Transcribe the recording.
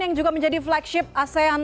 yang juga menjadi flagship asean